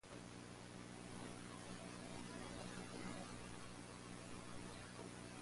The two officials traveled to Berlin and spoke with Mielke.